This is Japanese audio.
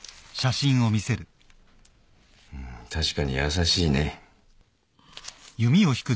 うん確かに優しいね。